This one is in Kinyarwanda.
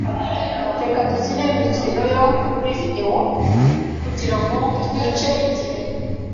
Reka dukine imikino yo kuri videwo kugirango twice igihe.